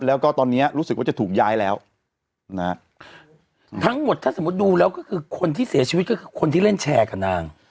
แล้วก็ตอนนี้รู้สึกว่าจะถูกย้ายแล้วนะฮะทั้งหมดถ้าสมมุติดูแล้วก็คือคนที่เสียชีวิตก็คือคนที่เล่นแชร์กับนาง